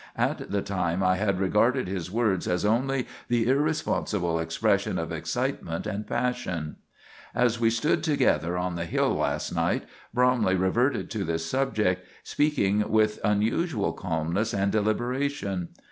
At the time I had regarded his words as only the irresponsible expression of excitement and passion. "As we stood together on the hill last night, Bromley reverted to this subject, speaking with unusual calmness and deliberation.